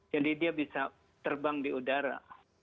jadi dia bisa terbang di udara